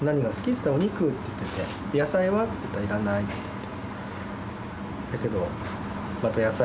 つったら「お肉」って言ってて「野菜は？」って言ったら「いらない」って言って。